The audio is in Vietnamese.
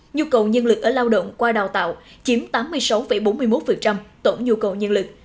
nhu cầu nhân lực ở lao động qua đào tạo chiếm tám mươi sáu bốn mươi một tổn nhu cầu nhân lực